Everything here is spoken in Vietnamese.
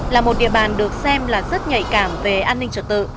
là một địa bàn được xem là rất nhạy cảm về an ninh trật tự